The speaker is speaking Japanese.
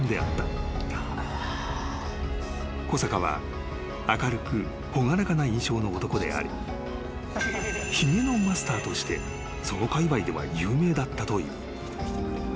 ［小坂は明るく朗らかな印象の男でありヒゲのマスターとしてそのかいわいでは有名だったという］